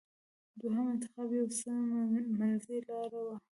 دوهم انتخاب یو څه منځۍ لاره وه.